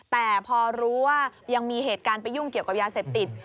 แต่พอรู้ว่ายังมีเหตุการณ์ไปยุ่งเกี่ยวกับยาเสพติด